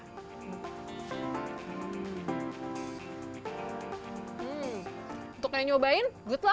hai untuk nyobain good luck ya